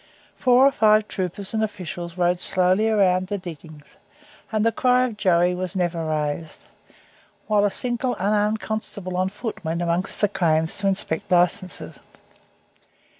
Four or five troopers and officials rode slowly about the diggings and the cry of "Joey" was never raised, while a single unarmed constable on foot went amongst the claims to inspect licenses.